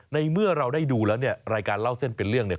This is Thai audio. ในเมื่อเราได้ดูแล้วเนี่ยรายการเล่าเส้นเป็นเรื่องเนี่ย